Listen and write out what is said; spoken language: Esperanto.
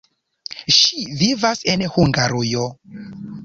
Ŝi vivas en Hungarujo.